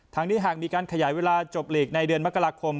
ทั้งนี้หากมีการขยายเวลาจบหลีกในเดือนมกราคม